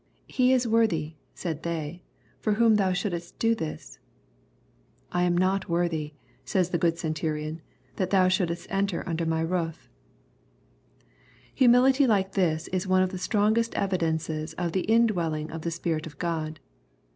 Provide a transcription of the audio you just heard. " He is worthy," said they, " for whom thou shouldest do this/' —" I am not worthy," says the good centurion, " that thou shouldest enter under my roof/' Humility like this is one of the strongest evidences of the indwelling of the Spirit of God.